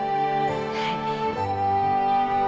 はい。